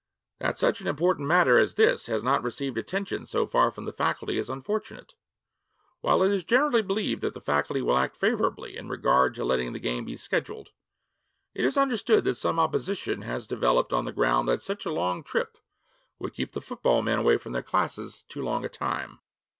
That such an important matter as this has not received attention so far from the Faculty is unfortunate. While it is generally believed that the Faculty will act favorably in regard to letting the game be scheduled, it is understood that some opposition has developed on the ground that such a long trip would keep the football men away from their classes too long a time.